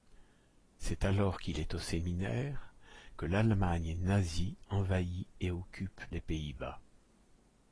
C'est alors qu'il est au séminaire que l'Allemagne nazie envahit et occupe les Pays-Bas.